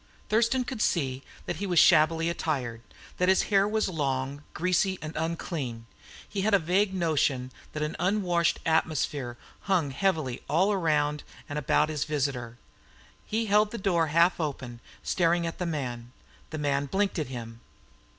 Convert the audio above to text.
Thurston could see that he was shabbily attired, that his hair was long, greasy, and unclean; he had a vague notion that an unwashed atmosphere hung heavily all round and about his visitor. He held the door half open, staring at the man; the man blinked at him.